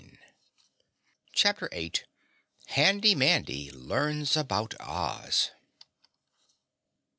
CHAPTER 8 Handy Mandy Learns about Oz!